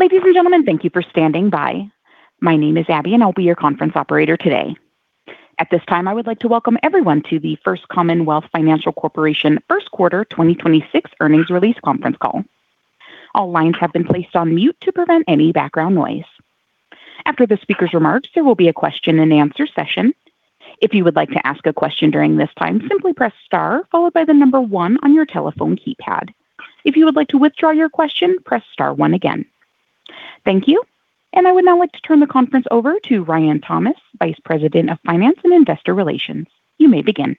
Ladies and gentlemen, thank you for standing by. My name is Abby, and I'll be your conference operator today. At this time, I would like to welcome everyone to the First Commonwealth Financial Corporation First Quarter 2026 Earnings Release Conference Call. All lines have been placed on mute to prevent any background noise. After the speaker's remarks, there will be a question and answer session. If you would like to ask a question during this time, simply press Star followed by the number one on your telephone keypad. If you would like to withdraw your question, press Star one again. Thank you. I would now like to turn the conference over to Ryan Thomas, Vice President of Finance and Investor Relations. You may begin.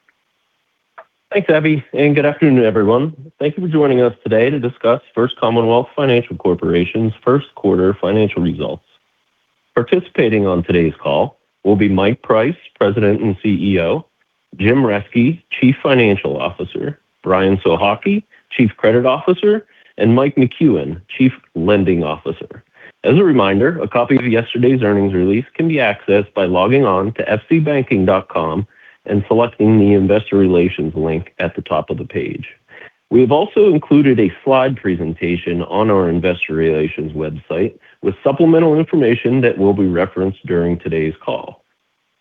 Thanks, Abby. Good afternoon, everyone. Thank you for joining us today to discuss First Commonwealth Financial Corporation's first quarter financial results. Participating on today's call will be Mike Price, President and CEO; Jim Reske, Chief Financial Officer; Brian Sohocki, Chief Credit Officer; and Mike McCuen, Chief Lending Officer. As a reminder, a copy of yesterday's earnings release can be accessed by logging on to fcbanking.com and selecting the Investor Relations link at the top of the page. We have also included a slide presentation on our investor relations website with supplemental information that will be referenced during today's call.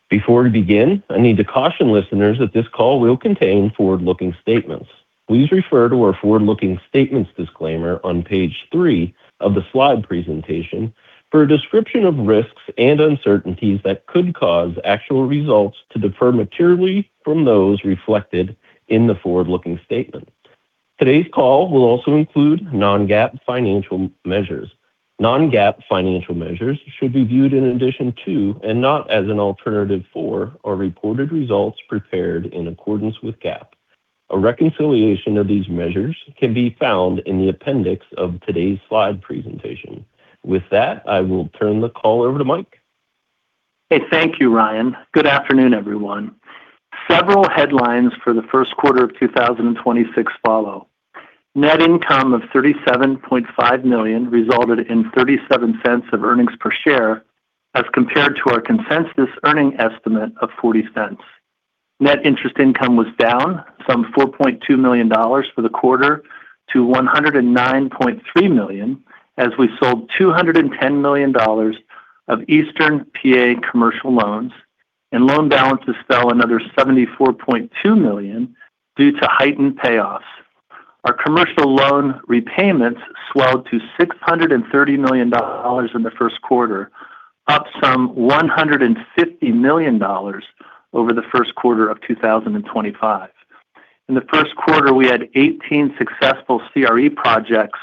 Before we begin, I need to caution listeners that this call will contain forward-looking statements. Please refer to our forward-looking statements disclaimer on page three of the slide presentation for a description of risks and uncertainties that could cause actual results to differ materially from those reflected in the forward-looking statement. Today's call will also include non-GAAP financial measures. Non-GAAP financial measures should be viewed in addition to and not as an alternative for our reported results prepared in accordance with GAAP. A reconciliation of these measures can be found in the appendix of today's slide presentation. With that, I will turn the call over to Mike. Hey. Thank you, Ryan. Good afternoon, everyone. Several headlines for the first quarter of 2026 follow. Net income of $37.5 million resulted in $0.37 of earnings per share as compared to our consensus earning estimate of $0.40. Net interest income was down some $4.2 million for the quarter to $109.3 million as we sold $210 million of Eastern PA commercial loans and loan balances fell another $74.2 million due to heightened payoffs. Our commercial loan repayments swelled to $630 million in the first quarter, up some $150 million over the first quarter of 2025. In the first quarter, we had 18 successful CRE projects.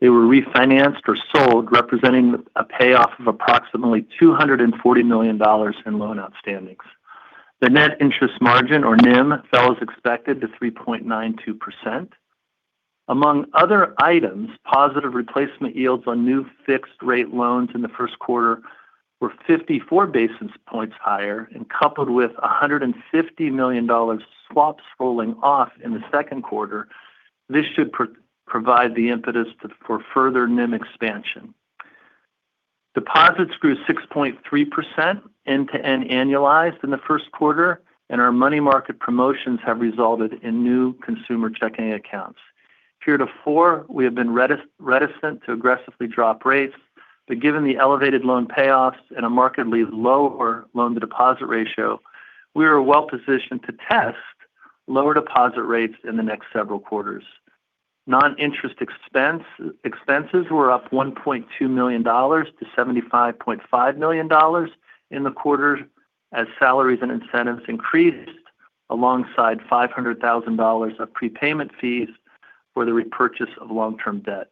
They were refinanced or sold, representing a payoff of approximately $240 million in loan outstandings. The net interest margin, or NIM, fell as expected to 3.92%. Among other items, positive replacement yields on new fixed-rate loans in the first quarter were 54 basis points higher, and coupled with a $150 million swap rolling off in the second quarter, this should provide the impetus for further NIM expansion. Deposits grew 6.3% end-to-end annualized in the first quarter. Our money market promotions have resulted in new consumer checking accounts. Period 4, we have been reticent to aggressively drop rates. Given the elevated loan payoffs and a markedly lower loan-to-deposit ratio, we are well-positioned to test lower deposit rates in the next several quarters. Non-interest expense, expenses were up $1.2 million to $75.5 million in the quarter as salaries and incentives increased alongside $500,000 of prepayment fees for the repurchase of long-term debt.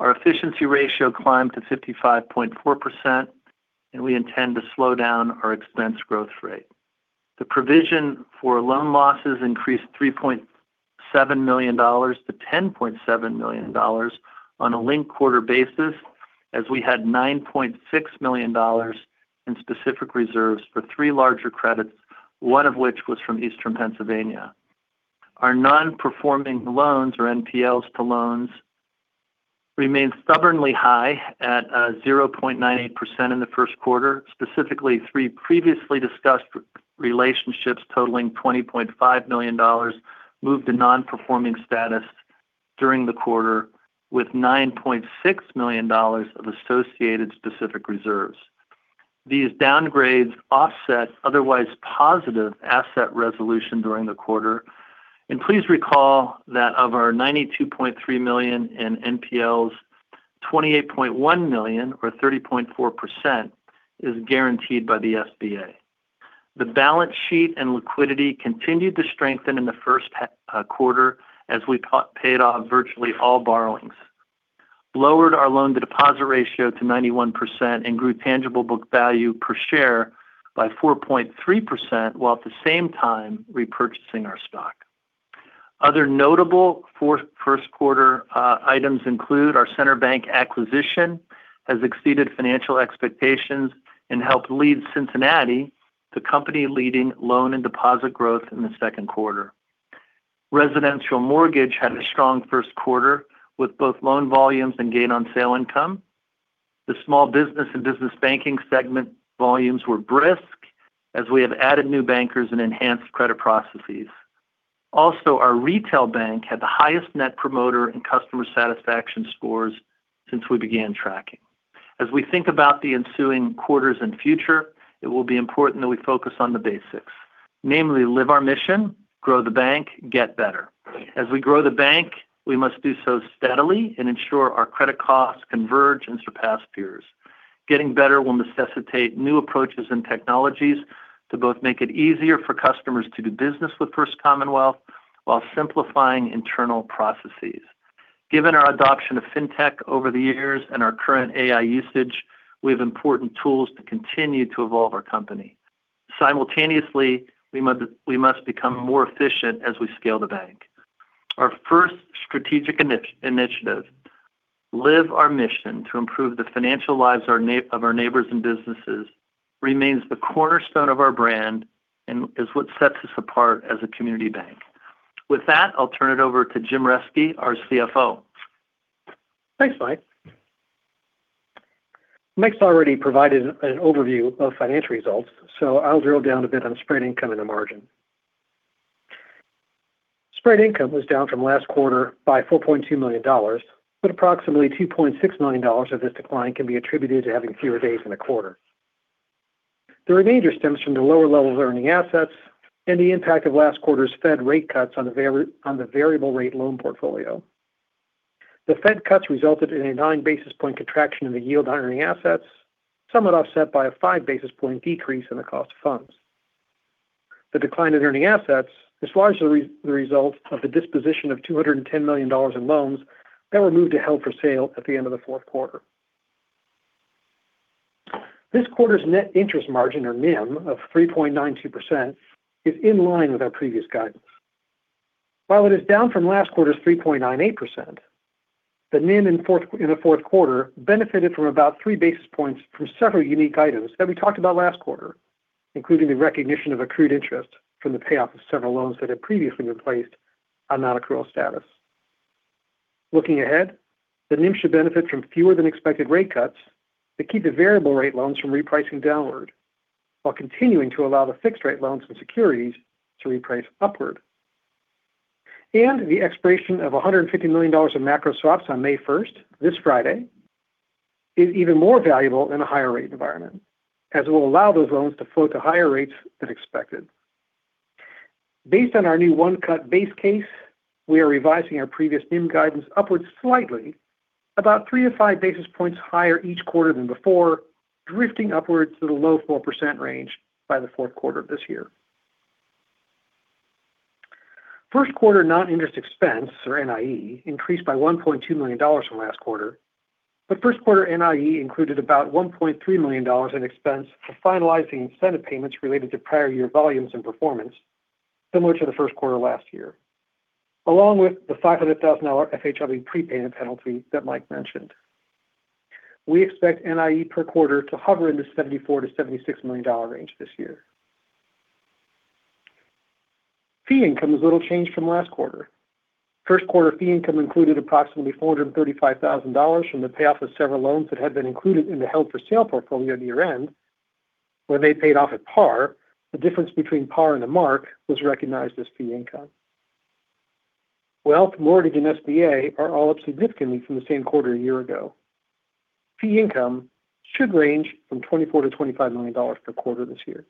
Our efficiency ratio climbed to 55.4%, and we intend to slow down our expense growth rate. The provision for loan losses increased $3.7 million to $10.7 million on a linked quarter basis, as we had $9.6 million in specific reserves for three larger credits, one of which was from Eastern Pennsylvania. Our non-performing loans, or NPLs to loans, remain stubbornly high at 0.98% in the first quarter. Specifically, three previously discussed relationships totaling $20.5 million moved to non-performing status during the quarter, with $9.6 million of associated specific reserves. These downgrades offset otherwise positive asset resolution during the quarter. Please recall that of our $92.3 million in NPLs, $28.1 million or 30.4% is guaranteed by the SBA. The balance sheet and liquidity continued to strengthen in the first quarter as we paid off virtually all borrowings, lowered our loan-to-deposit ratio to 91% and grew tangible book value per share by 4.3%, while at the same time repurchasing our stock. Other notable first quarter items include our Centric Bank acquisition has exceeded financial expectations and helped lead Centric to company-leading loan and deposit growth in the second quarter. Residential mortgage had a strong first quarter with both loan volumes and gain on sale income. The small business and business banking segment volumes were brisk as we have added new bankers and enhanced credit processes. Also, our retail bank had the highest Net Promoter and customer satisfaction scores since we began tracking. As we think about the ensuing quarters and future, it will be important that we focus on the basics. Namely, live our mission, grow the bank, get better. As we grow the bank, we must do so steadily and ensure our credit costs converge and surpass peers. Getting better will necessitate new approaches and technologies to both make it easier for customers to do business with First Commonwealth while simplifying internal processes. Given our adoption of FinTech over the years and our current AI usage, we have important tools to continue to evolve our company. Simultaneously, we must become more efficient as we scale the bank. Our first strategic initiative, live our mission to improve the financial lives of our neighbors and businesses, remains the cornerstone of our brand and is what sets us apart as a community bank. With that, I'll turn it over to Jim Reske, our CFO. Thanks, Mike. Mike's already provided an overview of financial results, so I'll drill down a bit on spread income and the margin. Spread income was down from last quarter by $4.2 million, but approximately $2.6 million of this decline can be attributed to having fewer days in the quarter. The remainder stems from the lower levels of earning assets and the impact of last quarter's Fed rate cuts on the variable rate loan portfolio. The Fed cuts resulted in a nine basis point contraction in the yield on earning assets, somewhat offset by a five basis point decrease in the cost of funds. The decline in earning assets is largely the result of the disposition of $210 million in loans that were moved to held for sale at the end of the fourth quarter. This quarter's net interest margin, or NIM, of 3.92% is in line with our previous guidance. While it is down from last quarter's 3.98%, the NIM in the fourth quarter benefited from about three basis points from several unique items that we talked about last quarter, including the recognition of accrued interest from the payoff of several loans that had previously been placed on non-accrual status. Looking ahead, the NIM should benefit from fewer than expected rate cuts that keep the variable rate loans from repricing downward while continuing to allow the fixed rate loans and securities to reprice upward. The expiration of $150 million in macro swaps on May 1st, this Friday, is even more valuable in a higher rate environment, as it will allow those loans to float to higher rates than expected. Based on our new one-cut base case, we are revising our previous NIM guidance upwards slightly, about three to five basis points higher each quarter than before, drifting upwards to the low 4% range by the fourth quarter of this year. First quarter non-interest expense, or NIE, increased by $1.2 million from last quarter. First quarter NIE included about $1.3 million in expense for finalizing incentive payments related to prior year volumes and performance, similar to the first quarter last year, along with the $500,000 FHLB prepayment penalty that Mike mentioned. We expect NIE per quarter to hover in the $74 million-$76 million range this year. Fee income is little changed from last quarter. First quarter fee income included approximately $435,000 from the payoff of several loans that had been included in the held for sale portfolio at year-end. When they paid off at par, the difference between par and the mark was recognized as fee income. Wealth, mortgage, and SBA are all up significantly from the same quarter a year ago. Fee income should range from $24 million-$25 million per quarter this year.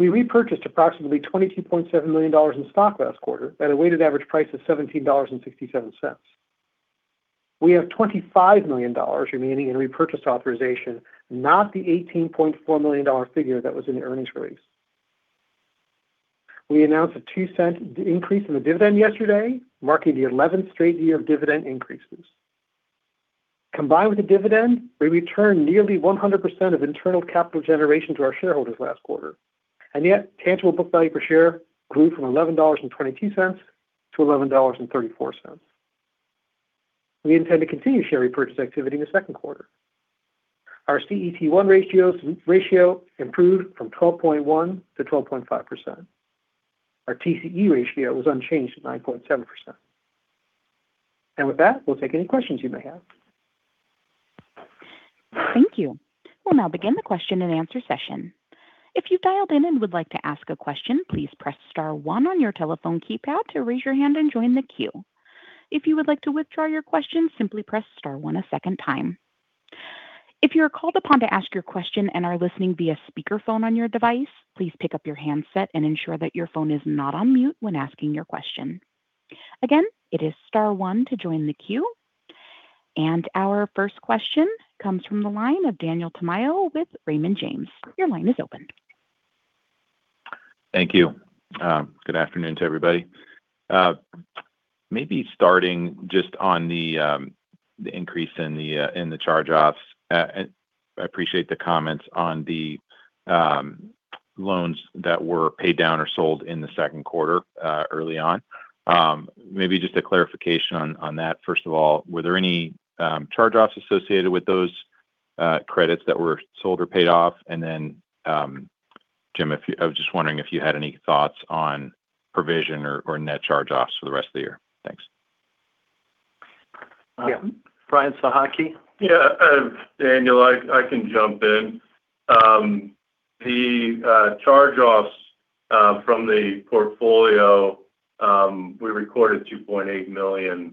We repurchased approximately $22.7 million in stock last quarter at a weighted average price of $17.67. We have $25 million remaining in repurchase authorization, not the $18.4 million figure that was in the earnings release. We announced a $0.02 increase in the dividend yesterday, marking the 11th straight year of dividend increases. Combined with the dividend, we returned nearly 100% of internal capital generation to our shareholders last quarter, and yet tangible book value per share grew from $11.22 to $11.34. We intend to continue share repurchase activity in the second quarter. Our CET1 ratio improved from 12.1 to 12.5%. Our TCE ratio was unchanged at 9.7%. With that, we'll take any questions you may have. Thank you. We'll now begin the question and answer session. If you've dialed in and would like to ask a question, please press star one on your telephone keypad to raise your hand and join the queue. If you would like to withdraw your question, simply press star one a second time. If you are called upon to ask your question and are listening via speakerphone on your device, please pick up your handset and ensure that your phone is not on mute when asking your question. Again, it is star one to join the queue. Our first question comes from the line of Daniel Tamayo with Raymond James. Your line is open. Thank you. Good afternoon to everybody. Maybe starting just on the increase in the charge-offs. I appreciate the comments on the loans that were paid down or sold in the second quarter early on. Maybe just a clarification on that. First of all, were there any charge-offs associated with those credits that were sold or paid off? Then, Jim, I was just wondering if you had any thoughts on provision or net charge-offs for the rest of the year. Thanks. Brian Sohocki? Daniel, I can jump in. The charge-offs from the portfolio, we recorded $2.8 million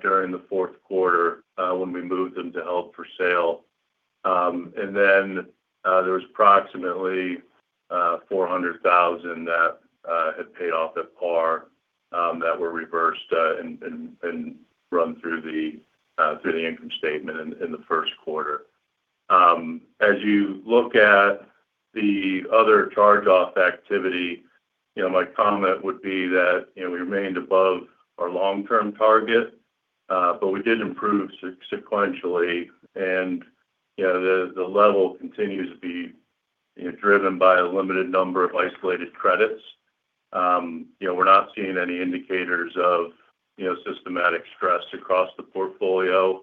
during the fourth quarter when we moved them to held for sale. Then there was approximately $400,000 that had paid off at par that were reversed and run through the income statement in the first quarter. As you look at the other charge-off activity, you know, my comment would be that, you know, we remained above our long-term target, but we did improve sequentially and, you know, the level continues to be, you know, driven by a limited number of isolated credits. You know, we're not seeing any indicators of, you know, systematic stress across the portfolio.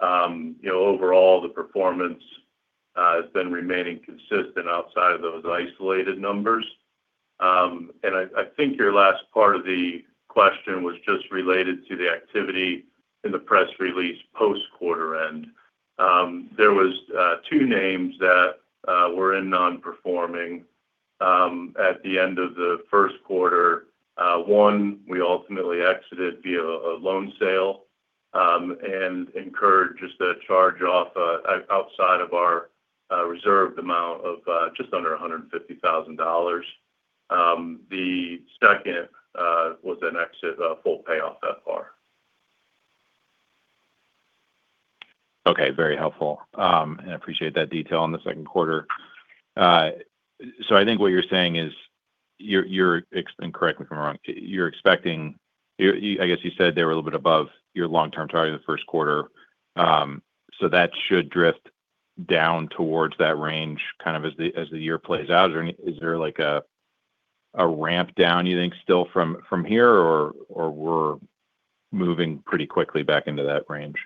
You know, overall, the performance has been remaining consistent outside of those isolated numbers. I think your last part of the question was just related to the activity in the press release post quarter end. There was two names that were in non-performing at the end of the first quarter. One, we ultimately exited via a loan sale and incurred just a charge-off outside of our reserved amount of just under $150 thousand. The second was an exit, full payoff at par. Okay. Very helpful. I appreciate that detail on the second quarter. I think what you're saying is you're expecting. Correct me if I'm wrong. You're expecting. I guess you said they were a little bit above your long-term target in the first quarter. That should drift down towards that range kind of as the year plays out. Is there like a ramp down you think still from here or we're moving pretty quickly back into that range?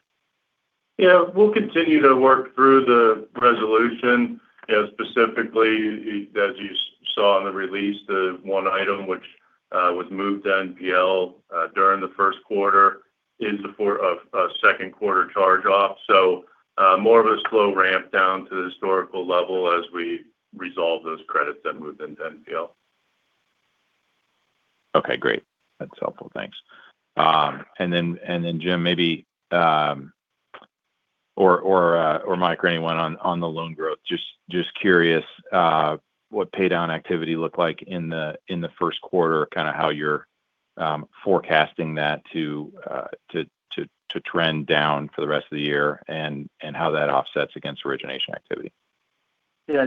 Yeah. We'll continue to work through the resolution. You know, specifically, as you saw in the release, the one item which was moved to NPL during the first quarter is a second quarter charge-off. More of a slow ramp down to the historical level as we resolve those credits than move them to NPL. Okay, great. That's helpful. Thanks. Jim, maybe, Mike or anyone on the loan growth. Just curious what pay down activity looked like in the first quarter, kind of how you're forecasting that to trend down for the rest of the year and how that offsets against origination activity. Yeah.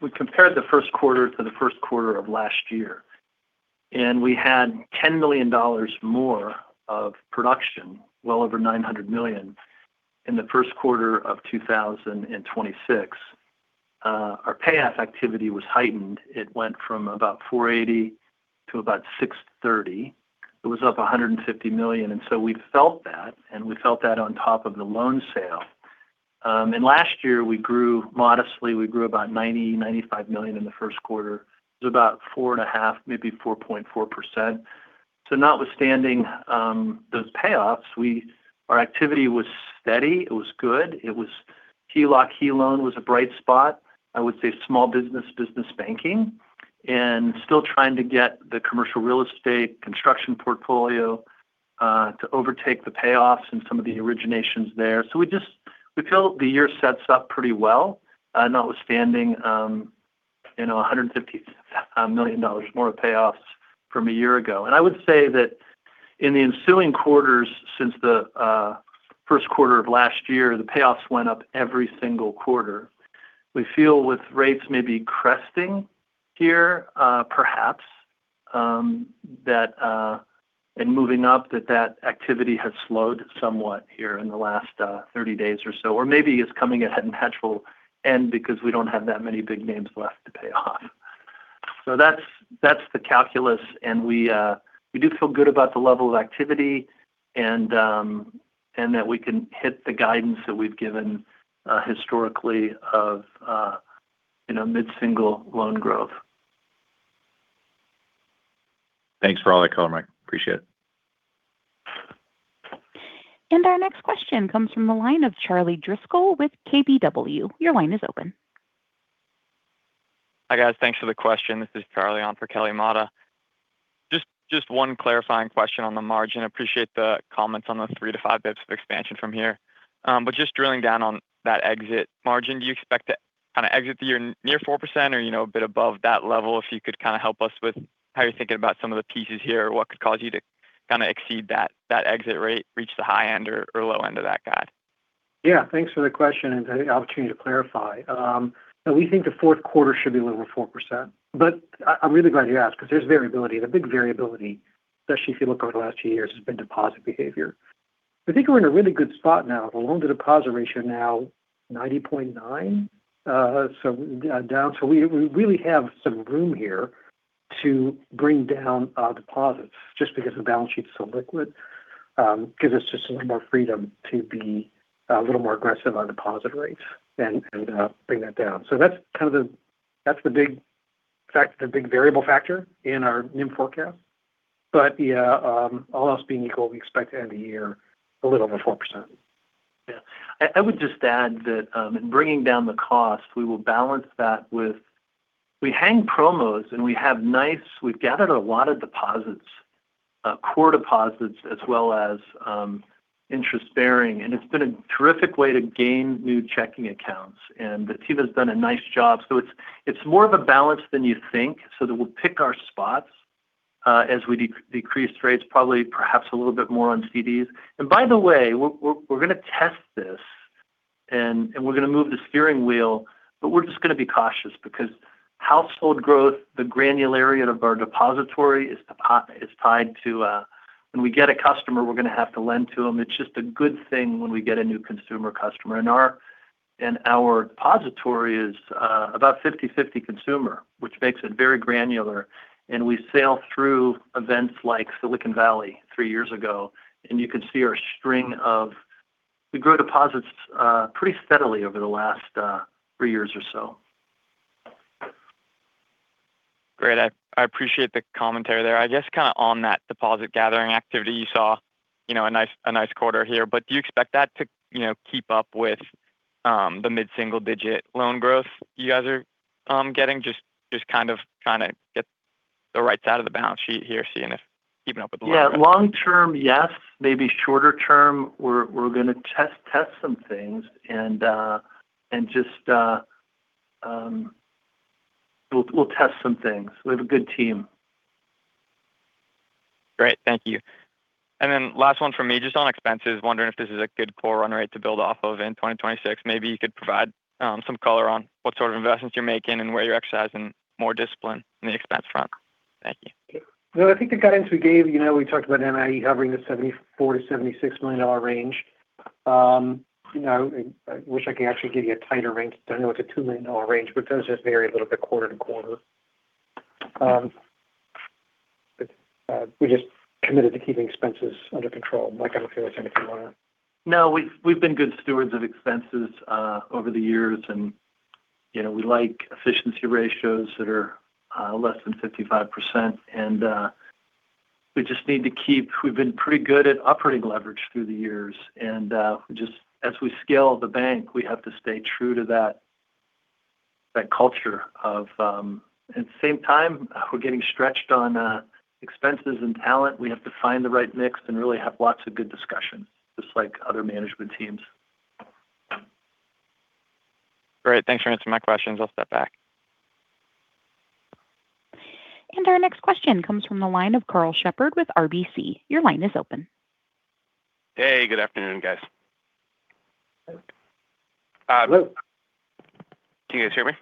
We compared the first quarter to the first quarter of last year, we had $10 million more of production, well over $900 million in the first quarter of 2026. Our payoff activity was heightened. It went from about $480 million to about $630 million. It was up $150 million, and we felt that on top of the loan sale. Last year we grew modestly. We grew about $95 million in the first quarter to about 4.5%, maybe 4.4%. Notwithstanding those payoffs, our activity was steady. It was good. It was HELOC, HELOAN was a bright spot. I would say small business banking, and still trying to get the commercial real estate construction portfolio to overtake the payoffs and some of the originations there. We just feel the year sets up pretty well, notwithstanding $150 million more of payoffs from a year ago. I would say that in the ensuing quarters since the first quarter of last year, the payoffs went up every single quarter. We feel with rates maybe cresting here, perhaps that and moving up, that that activity has slowed somewhat here in the last 30 days or so, or maybe it's coming at a natural end because we don't have that many big names left to pay off. That's the calculus, and we do feel good about the level of activity and that we can hit the guidance that we've given historically of, you know, mid-single loan growth. Thanks for all that color, Mike. Appreciate it. Our next question comes from the line of Catherine Mealor with KBW. Your line is open. Hi, guys. Thanks for the question. This is Catherine Mealor on for Kelly Motta. Just one clarifying question on the margin. Appreciate the comments on the three to five basis points of expansion from here. Just drilling down on that exit margin, do you expect to kind of exit the year near 4% or, you know, a bit above that level? If you could kind of help us with how you're thinking about some of the pieces here, what could cause you to kind of exceed that exit rate, reach the high end or low end of that guide? Yeah. Thanks for the question and the opportunity to clarify. No, we think the fourth quarter should be a little over 4%. I'm really glad you asked because there's variability. The big variability, especially if you look over the last two years, has been deposit behavior. I think we're in a really good spot now. The loan-to-deposit ratio now 90.9. Down. We, we really have some room here to bring down our deposits just because the balance sheet's so liquid. Gives us just a little more freedom to be a little more aggressive on deposit rates and bring that down. That's the big. In fact, the big variable factor in our NIM forecast. Yeah, all else being equal, we expect to end the year a little over 4%. Yeah. I would just add that, in bringing down the cost, we will balance that with we hang promos, and we have nice we've gathered a lot of deposits, core deposits as well as interest-bearing. It's been a terrific way to gain new checking accounts. The team has done a nice job. It's more of a balance than you think so that we'll pick our spots, as we decrease rates, probably perhaps a little bit more on CDs. By the way, we're gonna test this and we're gonna move the steering wheel, but we're just gonna be cautious because household growth, the granularity of our depository is tied to, when we get a customer, we're gonna have to lend to them. It's just a good thing when we get a new consumer customer. Our depository is about 50/50 consumer, which makes it very granular. We sail through events like Silicon Valley three years ago. We grow deposits pretty steadily over the last three years or so. Great. I appreciate the commentary there. I guess kind of on that deposit gathering activity you saw, you know, a nice quarter here. Do you expect that to, you know, keep up with the mid-single-digit loan growth you guys are getting? Just kind of trying to get the right side of the balance sheet here, seeing if keeping up with the loan growth. Yeah. Long term, yes. Maybe shorter term, we're gonna test some things and just we'll test some things. We have a good team. Great. Thank you. Then last one from me, just on expenses. Wondering if this is a good core run rate to build off of in 2026. Maybe you could provide some color on what sort of investments you're making and where you're exercising more discipline on the expense front. Thank you. Yeah. No, I think the guidance we gave, you know, we talked about NIE hovering the $74 million-$76 million range. You know, I wish I could actually give you a tighter range. I know it's a $2 million range. Those just vary a little bit quarter-to-quarter. We're just committed to keeping expenses under control. Mike, I don't know if there was anything. No. We've been good stewards of expenses over the years and, you know, we like efficiency ratios that are less than 55%. We've been pretty good at operating leverage through the years and as we scale the bank, we have to stay true to that culture of. At the same time, we're getting stretched on expenses and talent. We have to find the right mix and really have lots of good discussions, just like other management teams. Great. Thanks for answering my questions. I'll step back. Our next question comes from the line of Karl Shepard with RBC. Your line is open. Hey, good afternoon, guys. Hello. Hello. Can you guys hear me?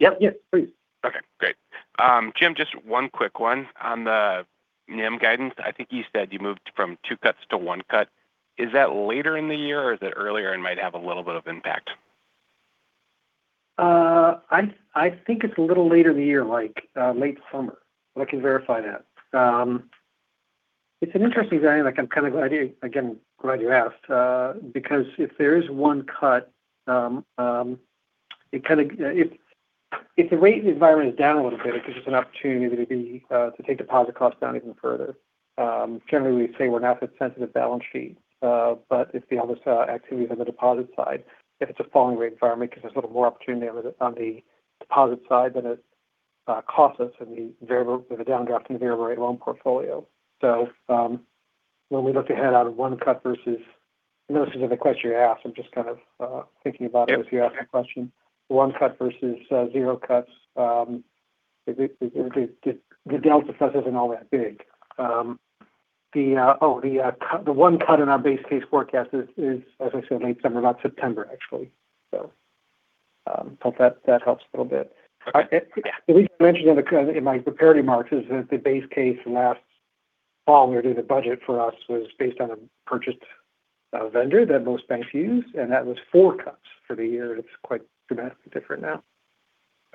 Yep. Yes, please. Okay, great. Jim, just one quick one on the NIM guidance. I think you said you moved from two cuts to one cut. Is that later in the year, or is it earlier and might have a little bit of impact? I think it's a little later in the year, like, late summer, but I can verify that. It's an interesting dynamic. I'm kind of glad you, again, glad you asked, because if there is 1 cut, If the rate environment is down a little bit, it gives us an opportunity to be, to take deposit costs down even further. Generally, we say we're an asset sensitive balance sheet, but if the other side activities on the deposit side, if it's a falling rate environment because there's a little more opportunity on the, on the deposit side than it, costs us in the variable with a downdraft in the variable rate loan portfolio. When we look ahead out of 1 cut, I know this isn't the question you asked. I'm just kind of thinking about it as you ask that question. Yep. One cut versus zero cuts. The delta for us isn't all that big. The cut, the 1 cut in our base case forecast is, as I said, late summer, about September, actually. Hope that helps a little bit. At least I mentioned in my prepared remarks is that the base case last fall when we were doing the budget for us was based on a purchased vendor that most banks use, and that was four cuts for the year. It's quite dramatically different now.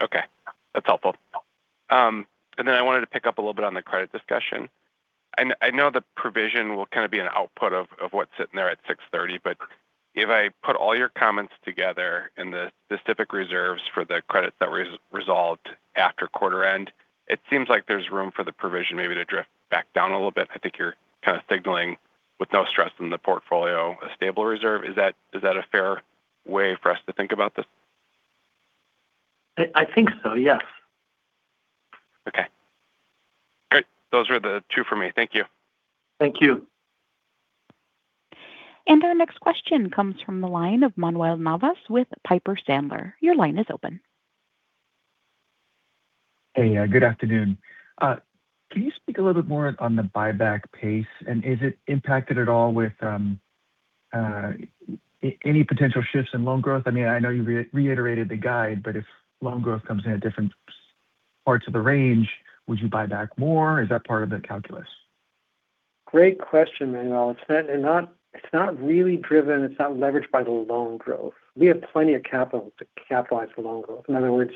Okay. That's helpful. I wanted to pick up a little bit on the credit discussion. I know the provision will kind of be an output of what's sitting there at 6/30, but if I put all your comments together and the specific reserves for the credits that resolved after quarter-end, it seems like there's room for the provision maybe to drift back down a little bit. I think you're kind of signaling with no stress in the portfolio, a stable reserve. Is that a fair way for us to think about this? I think so, yes. Okay. Great. Those were the two for me. Thank you. Thank you. Our next question comes from the line of Manuel Navas with Piper Sandler. Your line is open. Hey, good afternoon. Can you speak a little bit more on the buyback pace? Is it impacted at all with any potential shifts in loan growth? I mean, I know you reiterated the guide, but if loan growth comes in at different parts of the range, would you buy back more? Is that part of the calculus? Great question, Manuel. It's not really driven, it's not leveraged by the loan growth. We have plenty of capital to capitalize for loan growth. In other words,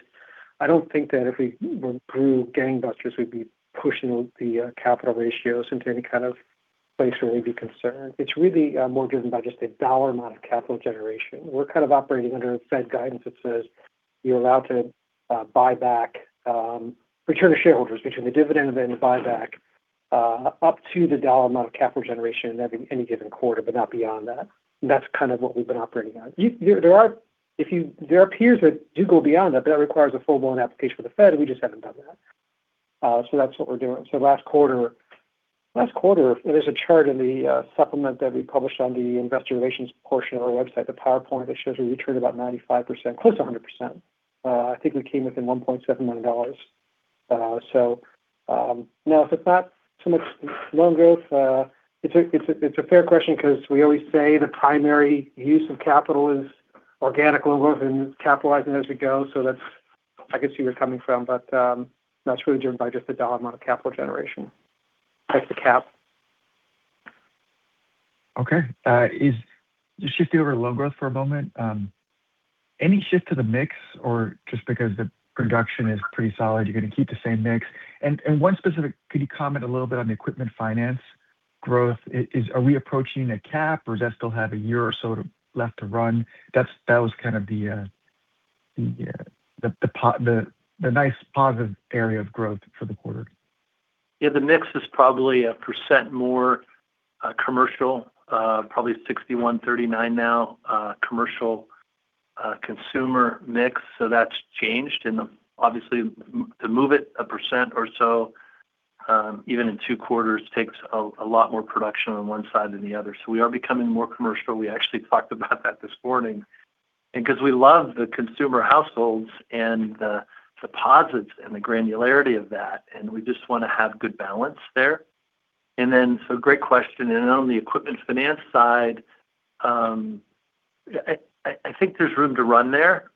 I don't think that if we were to grew gangbusters, we'd be pushing the capital ratios into any kind of Place where we'd be concerned. It's really more driven by just a dollar amount of capital generation. We're kind of operating under a Fed guidance that says you're allowed to buy back, return to shareholders, between the dividend and the buyback, up to the dollar amount of capital generation in any given quarter, but not beyond that. That's kind of what we've been operating on. There are peers that do go beyond that, but that requires a full-blown application with the Fed, and we just haven't done that. That's what we're doing. Last quarter, there's a chart in the supplement that we published on the Investor Relations portion of our website, the PowerPoint, that shows a return about 95%, close to 100%. I think we came within $1.71. No, it's not so much loan growth. It's a fair question 'cause we always say the primary use of capital is organic loan growth and capitalizing as we go. I can see where you're coming from, but that's really driven by just the dollar amount of capital generation. That's the cap. Okay. Shifting over to loan growth for a moment, any shift to the mix? Just because the production is pretty solid, you're gonna keep the same mix? One specific, could you comment a little bit on the equipment finance growth? Are we approaching a cap, or does that still have a year or so left to run? That was kind of the nice positive area of growth for the quarter. Yeah, the mix is probably 1% more commercial, probably 61-39 now, commercial consumer mix. That's changed. Obviously, to move it 1% or so, even in two quarters takes a lot more production on one side than the other. We are becoming more commercial. We actually talked about that this morning. Because we love the consumer households and the deposits and the granularity of that, and we just wanna have good balance there. Great question. On the equipment finance side, I think there's room to run there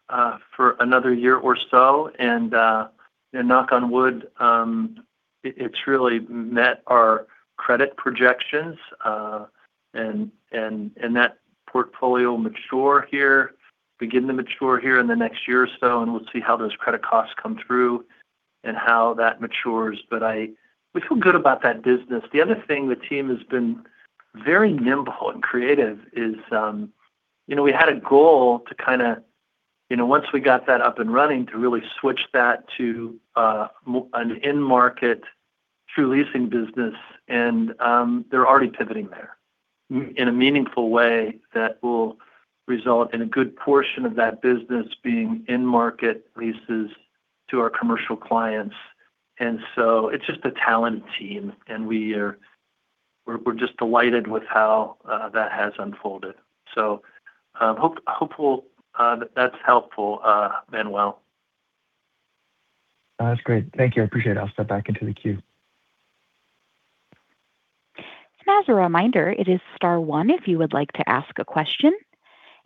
for another year or so. Knock on wood, it's really met our credit projections. That portfolio mature here, begin to mature here in the next year or so, and we'll see how those credit costs come through and how that matures. We feel good about that business. The other thing the team has been very nimble and creative is, you know, we had a goal to kinda, you know, once we got that up and running, to really switch that to an end market through leasing business. They're already pivoting there in a meaningful way that will result in a good portion of that business being end market leases to our commercial clients. It's just a talented team, and we're just delighted with how that has unfolded. Hopeful that that's helpful, Manuel. That's great. Thank you. I appreciate it. I'll step back into the queue. As a reminder, it is star one if you would like to ask a question.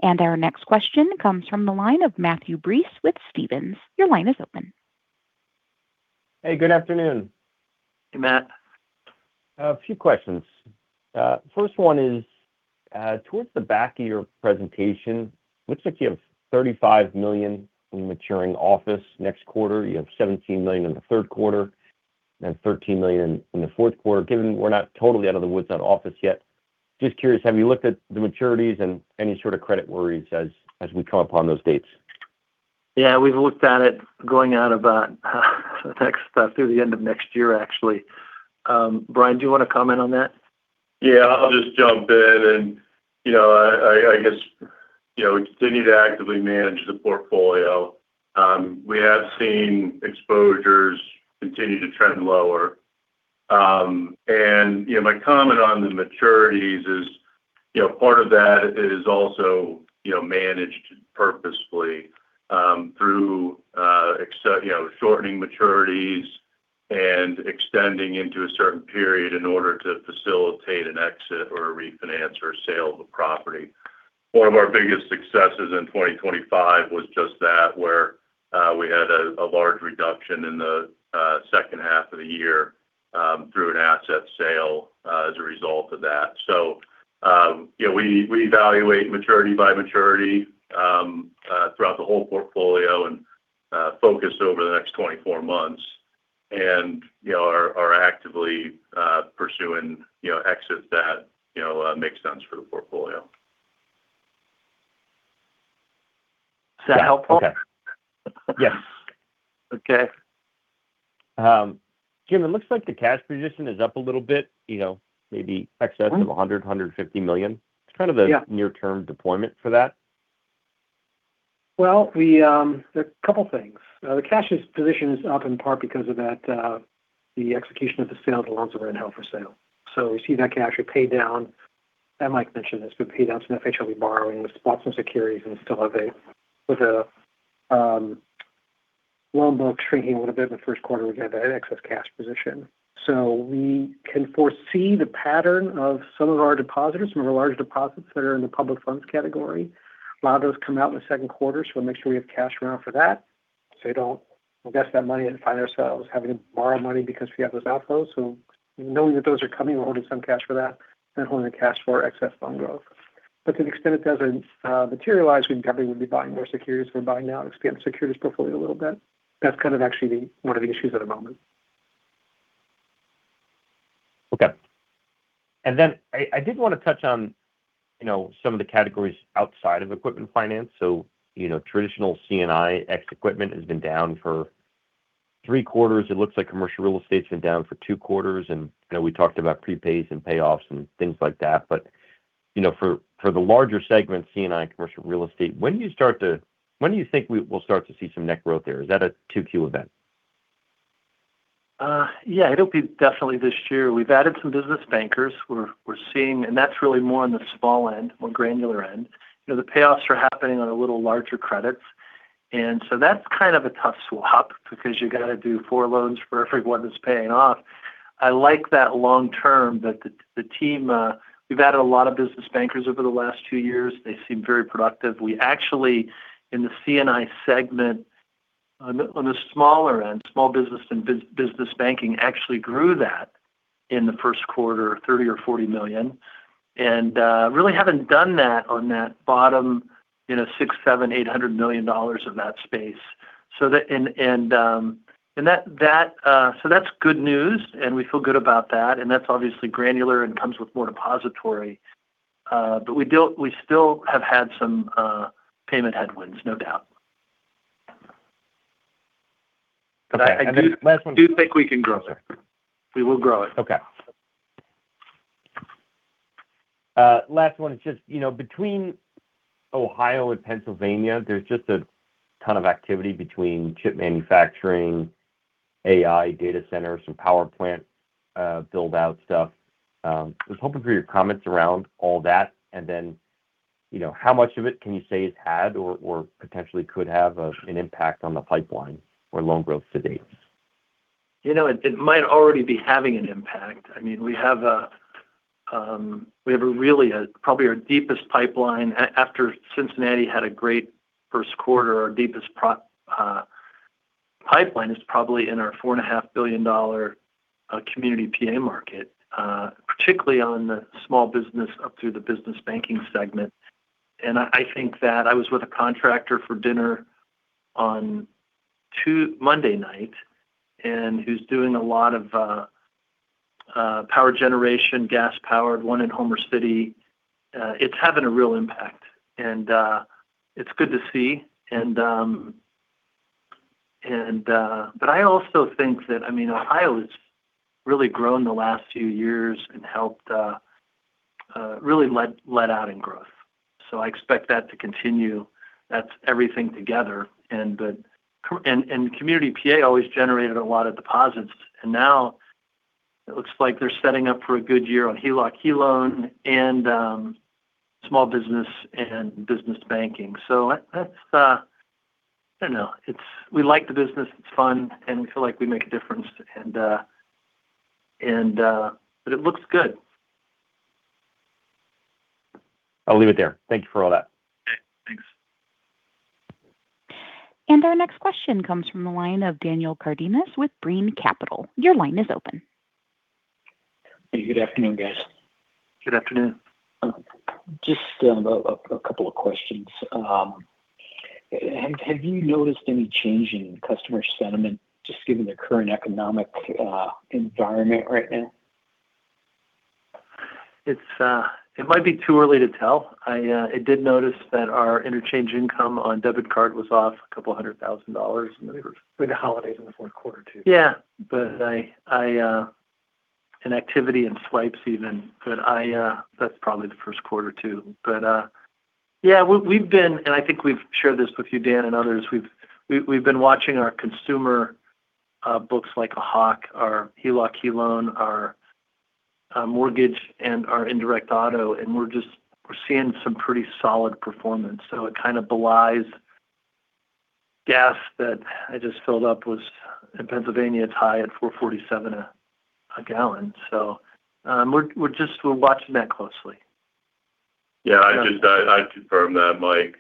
Our next question comes from the line of Matthew Breese with Stephens. Your line is open. Hey, good afternoon. Hey, Matt. A few questions. First one is, towards the back of your presentation, looks like you have $35 million in maturing office next quarter. You have $17 million in the third quarter and $13 million in the fourth quarter. Given we're not totally out of the woods on office yet, just curious, have you looked at the maturities and any sort of credit worries as we come upon those dates? Yeah. We've looked at it going out about next through the end of next year, actually. Brian, do you wanna comment on that? Yeah. I'll just jump in and, you know, we continue to actively manage the portfolio. We have seen exposures continue to trend lower. You know, my comment on the maturities is, you know, part of that is also, you know, managed purposefully through shortening maturities and extending into a certain period in order to facilitate an exit or a refinance or a sale of the property. One of our biggest successes in 2025 was just that, where we had a large reduction in the second half of the year through an asset sale as a result of that. You know, we evaluate maturity by maturity throughout the whole portfolio and focus over the next 24 months and, you know, are actively pursuing, you know, exits that, you know, make sense for the portfolio. Is that helpful? Yeah. Okay. Yes. Okay. Jim, it looks like the cash position is up a little bit, you know, maybe at sets of $100 million - $150 million. Yeah. Kind of a near-term deployment for that? Well, we, there are a couple things. The cash's position is up in part because of that, the execution of the sale of the loans that were in held for sale. We see that can actually pay down, and Mike mentioned this, but pay down some FHLB borrowing. We spot some securities and still have a, with the loan book shrinking a little bit in the first quarter, we got that excess cash position. We can foresee the pattern of some of our depositors, some of our large deposits that are in the public funds category. A lot of those come out in the second quarter, we'll make sure we have cash around for that, we don't invest that money and find ourselves having to borrow money because we have those outflows. Knowing that those are coming, we're holding some cash for that and holding the cash for excess loan growth. To the extent it doesn't materialize, we probably would be buying more securities. We're buying now to expand the securities portfolio a little bit. That's kind of actually the one of the issues at the moment. Okay. I did wanna touch on, you know, some of the categories outside of equipment finance. Traditional C&I ex equipment has been down for three quarters. It looks like commercial real estate's been down for two quarters, and, you know, we talked about prepays and payoffs and things like that. You know, for the larger segments, C&I commercial real estate, when do you think we will start to see some net growth there? Is that a 2Q event? Yeah, it'll be definitely this year. We've added some business bankers. We're seeing. That's really more on the small end, more granular end. You know, the payoffs are happening on a little larger credits. That's kind of a tough swap because you gotta do four loans for every one that's paying off. I like that long term that the team, we've added a lot of business bankers over the last two years. They seem very productive. We actually, in the C&I segment on the smaller end, small business and business banking actually grew that in the first quarter, $30 million or $40 million. Really haven't done that on that bottom, you know, $600 million, $700 million, $800 million of that space. That's good news, and we feel good about that. That's obviously granular and comes with more depository. We still have had some payment headwinds, no doubt. Okay. last one. I do think we can grow it. We will grow it. Okay. Last one is just, you know, between Ohio and Pennsylvania, there's just a ton of activity between chip manufacturing, AI data centers, some power plant build-out stuff. Just hoping for your comments around all that. You know, how much of it can you say has had or potentially could have an impact on the pipeline or loan growth to date? You know, it might already be having an impact. I mean, we have a, we have a really, probably our deepest pipeline after Cincinnati had a great first quarter. Our deepest pipeline is probably in our $4.5 billion community P.A. market, particularly on the small business up through the business banking segment. I think that I was with a contractor for dinner on Monday night and who's doing a lot of power generation, gas-powered, one in Homer City. It's having a real impact, and it's good to see. I also think that, I mean, Ohio has really grown the last few years and helped really led out in growth. I expect that to continue. That's everything together. Community PA always generated a lot of deposits, and now it looks like they're setting up for a good year on HELOC, HELOAN, and small business and business banking. That's, I don't know. We like the business. It's fun, and we feel like we make a difference. But it looks good. I'll leave it there. Thank you for all that. Okay, thanks. Our next question comes from the line of Daniel Cardenas with Brean Capital. Your line is open. Hey, good afternoon, guys. Good afternoon. Just a couple of questions. Have you noticed any change in customer sentiment just given the current economic environment right now? It's, it might be too early to tell. I did notice that our interchange income on debit card was off $200,000. With the holidays in the fourth quarter too. Activity in swipes even. That's probably the first quarter too. I think we've shared this with you, Dan, and others, we've been watching our consumer books like a hawk. Our HELOC, HELoan, our mortgage, and our indirect auto, we're seeing some pretty solid performance. It kind of belies gas that I just filled up was, in Pennsylvania, it's high at $4.47 a gallon. We're watching that closely. Yeah. I just confirm that, Mike.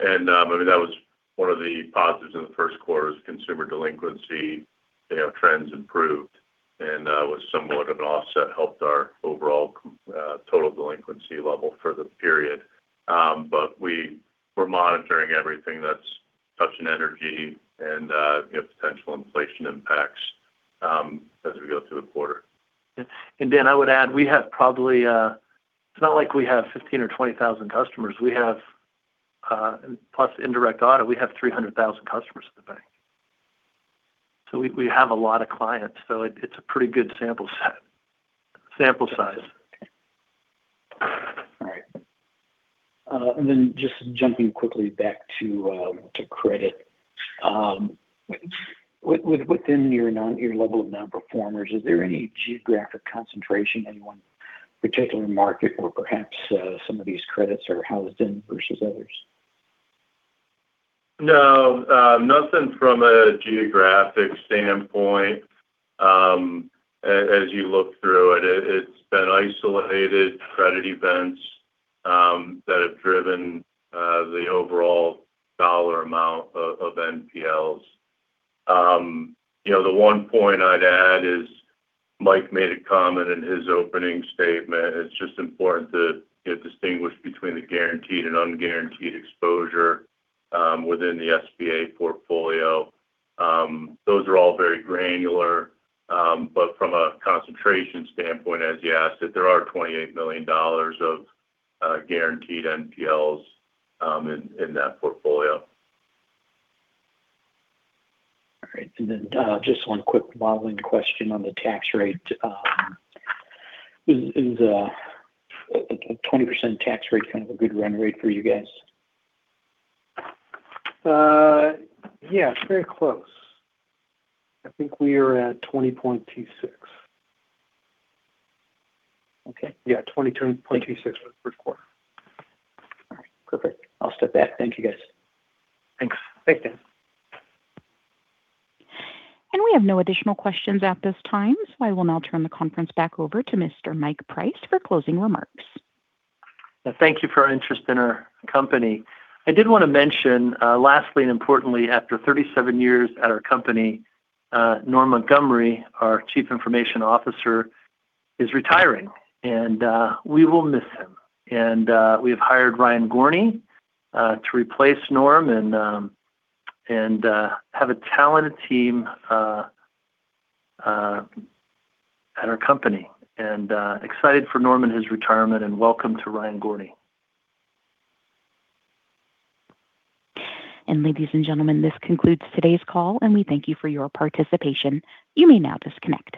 I mean, that was one of the positives in the first quarter is consumer delinquency, you know, trends improved and was somewhat of an offset, helped our overall total delinquency level for the period. We're monitoring everything that's touching energy and, you know, potential inflation impacts as we go through the quarter. Dan, I would add, we have probably, it's not like we have 15 or 20,000 customers. We have, plus indirect auto, we have 300,000 customers in the bank. We have a lot of clients. It's a pretty good sample set, sample size. All right. Just jumping quickly back to credit. Within your level of non-performers, is there any geographic concentration in one particular market where perhaps some of these credits are housed in versus others? No. nothing from a geographic standpoint. as you look through it's been isolated credit events, that have driven, the overall dollar amount of NPLs. you know, the one point I'd add is Mike made a comment in his opening statement. It's just important to, you know, distinguish between the guaranteed and unguaranteed exposure, within the SBA portfolio. those are all very granular. from a concentration standpoint, as you asked it, there are $28 million of guaranteed NPLs in that portfolio. All right. Just 1 quick modeling question on the tax rate. Is a 20% tax rate kind of a good run rate for you guys? Yeah, it's very close. I think we are at 20.26%. Okay. Yeah, $20.26 for the first quarter. All right. Perfect. I'll step back. Thank you, guys. Thanks. Thanks, Dan. We have no additional questions at this time, so I will now turn the conference back over to Mr. Mike Price for closing remarks. Thank you for your interest in our company. I did wanna mention, lastly and importantly, after 37 years at our company, Norm Montgomery, our Chief Information Officer, is retiring. We will miss him. We have hired Ryan Gorney to replace Norm and have a talented team at our company. Excited for Norm and his retirement, and welcome to Ryan Gorney. Ladies and gentlemen, this concludes today's call, and we thank you for your participation. You may now disconnect.